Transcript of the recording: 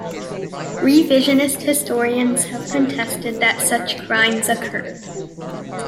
Revisionist historians have contested that such crimes occurred.